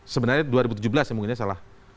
sebenarnya dua ribu tujuh belas mungkin salah